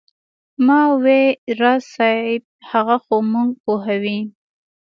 ما وې راز صاحب هغه خو موږ پوهوي.